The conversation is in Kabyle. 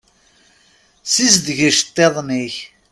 Sizdeg iceṭṭiḍen-ik.